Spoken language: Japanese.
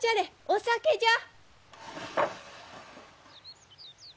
お酒じゃ！